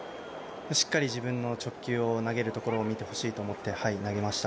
しっかり自分の直球を投げるところを見てほしいと思って投げました。